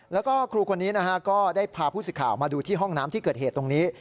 แล้วก็ครูคนนี้นะฮะก็ได้พาผู้สิทธิ์มาดูที่ห้องน้ำที่เกิดเหตุตรงนี้